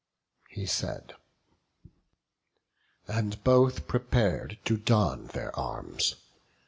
He said; and both prepar'd to don their arms.